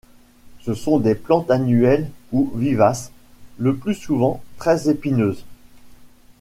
Ce sont des plantes annuelles ou vivaces, le plus souvent très épineuses.